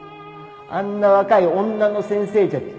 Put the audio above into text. あんな若い女の先生じゃ駄目だって。